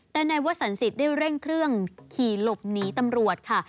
แต่นายวสันสิทธิ์ได้เร่งเครื่องขี่หลบหนีตำรวจค่ะ